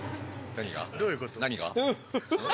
何が？